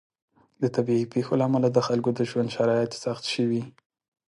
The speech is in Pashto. د طبیعي پیښو له امله د خلکو د ژوند شرایط سخت شوي.